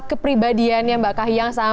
kepribadiannya mbak kayang sama